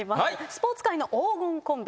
スポーツ界の黄金コンビ。